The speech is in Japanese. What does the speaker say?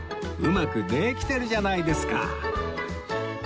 うまくできてるじゃないですか